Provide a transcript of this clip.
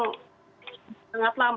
yang tidak diperlukan